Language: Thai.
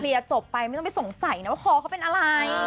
จบไปไม่ต้องไปสงสัยนะว่าคอเขาเป็นอะไร